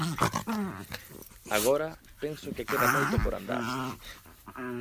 Agora, penso que queda moito por andar.